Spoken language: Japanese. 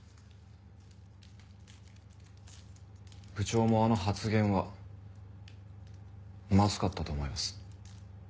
部長もあの発言はまずかったと思います。